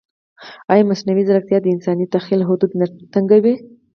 ایا مصنوعي ځیرکتیا د انساني تخیل حدود نه تنګوي؟